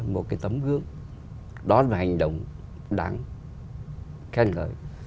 một cái tấm gương đó là hành động đáng khen ngợi